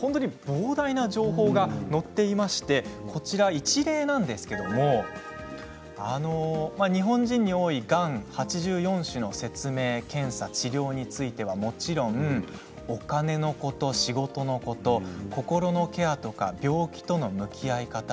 膨大な情報が載っていまして一例なんですけれども日本人に多いがん８４種の説明検査、治療についてはもちろんお金のこと、仕事のこと心のケアとか病気との向き合い方